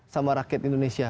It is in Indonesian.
sama rakyat indonesia